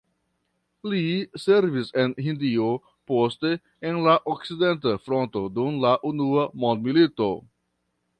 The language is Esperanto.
Li servis en Hindio, poste en la okcidenta fronto dum la unua mondmilito.